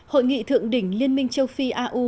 hội nghị thượng đỉnh liên minh châu phi au